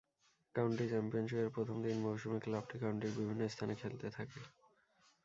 County চ্যাম্পিয়নশীপের প্রথম তিন মৌসুমে ক্লাবটি কাউন্টির বিভিন্ন স্থানে খেলতে থাকে।